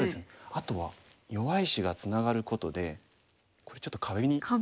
あとは弱い石がツナがることでこれちょっと壁に見えません？